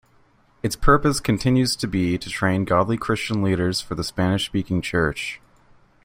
Its purpose continues to be to train godly Christian leaders for the Spanish-speaking church.